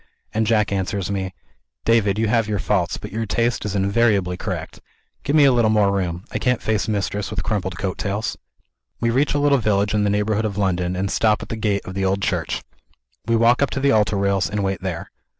And Jack answers me, "David, you have your faults; but your taste is invariably correct. Give me a little more room; I can't face Mistress with crumpled coat tails." We reach a little village in the neighborhood of London, and stop at the gate of the old church. We walk up to the altar rails, and wait there.